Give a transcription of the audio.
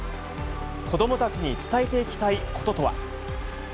子どもたちに伝えていきたいこととは。